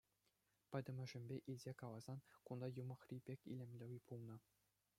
Пӗтӗмӗшпе илсе каласан, кунта юмахри пек илемлӗ пулнӑ.